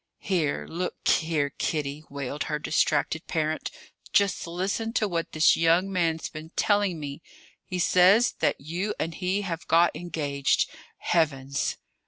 "Here, look here, Kitty!" wailed her distracted parent. "Just listen to what this young man's been telling me? He says that you and he have got engaged! Heavens!"